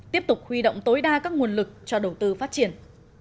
tiếp tục huy động tối đa các nguồn lực cho đầu tư phát triển